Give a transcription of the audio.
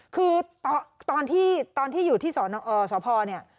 คือตอนที่อยู่ที่สพเนี่ย